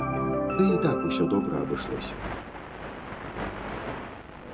Ды і так усё добра абышлося.